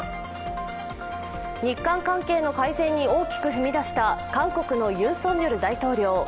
日韓関係の改善に大きく踏み出した韓国のユン・ソンニョル大統領。